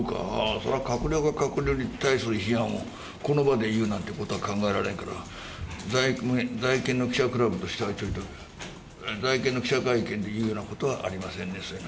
それは閣僚が閣僚に対する批判を、この場で言うなんていうことは考えられないから、ざいけんの記者会見で言うのは、ちょいと、ざいけんの記者会見で言うようなことはありませんですから。